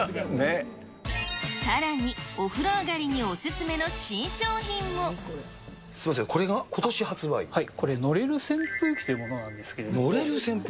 さらにお風呂上りにお勧めのすみません、これ、のれる扇風機というものなんですけれども。